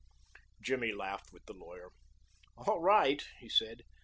Jimmy laughed with the lawyer. "All right," he said.